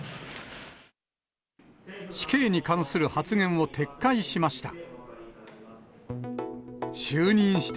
死刑に関する発言を撤回しました。